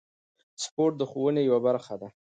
سپورت د ښوونې یوه برخه ده.